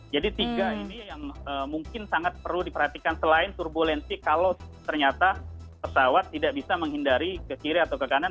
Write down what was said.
jadi tiga ini yang mungkin sangat perlu diperhatikan selain turbulensi kalau ternyata pesawat tidak bisa menghindari ke kiri atau ke kanan